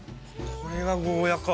◆これがゴーヤか◆